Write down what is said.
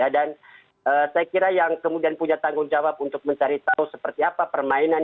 dan saya kira yang kemudian punya tanggung jawab untuk mencari tahu seperti apa permainan